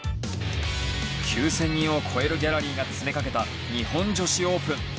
９千人を超えるギャラリーが詰めかけた日本女子オープン。